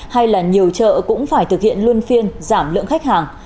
hay là nhiều chợ cũng phải thực hiện luôn phiên giảm lượng khách hàng